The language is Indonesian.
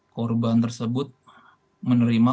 korban tersebut menerima